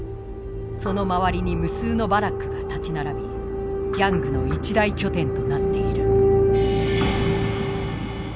その周りに無数のバラックが建ち並びギャングの一大拠点となっている。